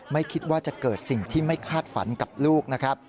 ไม่คิดว่าจะเกิดสิ่งที่ไม่คาดฝันกับลูกนะครับ